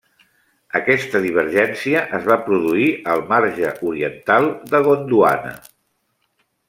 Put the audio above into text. Aquesta divergència es va produir al marge oriental de Gondwana.